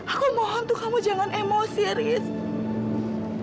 aku mohon untuk kamu jangan emosi riz